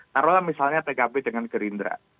karena misalnya pkp dengan gerindra